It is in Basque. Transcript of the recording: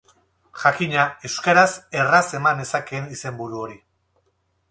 Jakina, euskaraz erraz eman nezakeen izenburu hori.